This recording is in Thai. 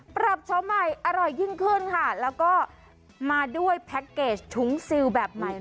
ปรับโชว์ใหม่อร่อยยิ่งขึ้นค่ะแล้วก็มาด้วยแพ็คเกจถุงซิลแบบใหม่